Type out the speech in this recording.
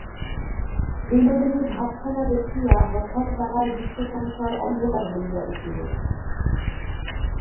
বিনোদিনীর ভাবখানা দেখিয়া হঠাৎ তাহার বিশ্বসংসার অন্ধকার হইয়া উঠিল।